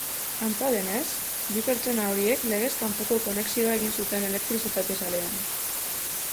Antza denez, bi pertsona horiek legez kanpoko konexioa egin zuten elektrizitate sarean.